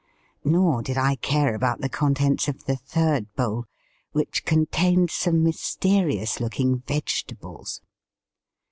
Nor did I care about the contents of the third bowl, which contained some mysterious look ing vegetables.